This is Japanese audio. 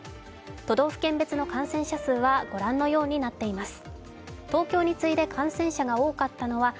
都道府県別の感染者数は御覧のようになっています。